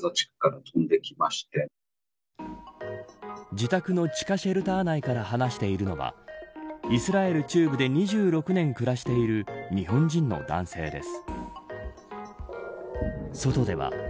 自宅の地下シェルター内から話しているのはイスラエル中部で２６年暮らしている日本人の男性です。